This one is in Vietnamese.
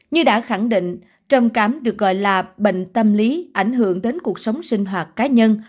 như đã khẳng định trầm cám được gọi là bệnh tâm lý ảnh hưởng đến cuộc sống sinh hoạt cá nhân